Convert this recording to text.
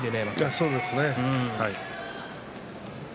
そうですね。